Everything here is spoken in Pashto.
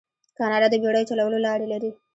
کاناډا د بیړیو چلولو لارې لري.